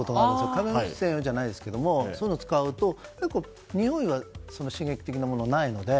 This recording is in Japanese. カメムシ専用じゃないですけどそういうのを使うと結構においは刺激的なものがないので。